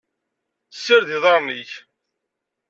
Ssired iḍarren-ik.